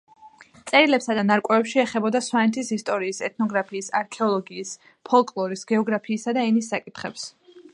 წერილებსა და ნარკვევებში ეხებოდა სვანეთის ისტორიის, ეთნოგრაფიის, არქეოლოგიის, ფოლკლორის, გეოგრაფიისა და ენის საკითხებს.